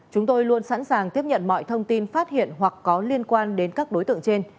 chúng tôi luôn sẵn sàng tiếp nhận mọi thông tin phát hiện hoặc có liên quan đến các đối tượng trên